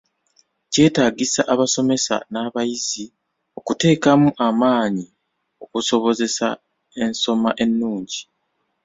Kyetagisa abasomesa nabayizi okutekaamu amaanyi okusobozesa ensoma ennungi.